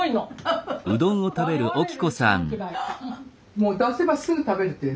もう出せばすぐ食べるっていう。